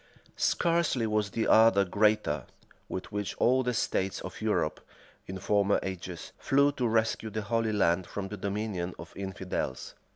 Scarcely was the ardor greater, with which all the states of Europe, in former ages, flew to rescue the Holy Land from the dominion of infidels.